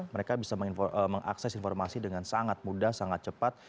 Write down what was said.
mereka bisa mengakses informasi dengan sangat mudah sangat cepat